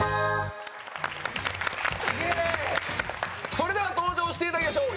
それでは登場していただきましょう